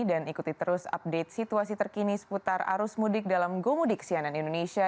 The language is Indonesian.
dan ikuti terus update situasi terkini seputar arus mudik dalam gomudik sianan indonesia